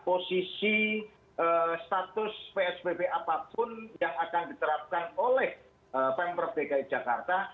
posisi status psbb apapun yang akan diterapkan oleh pemprov dki jakarta